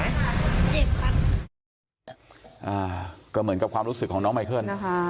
อ่างก็เหมือนกับความรู้สึกของน้องนะคะ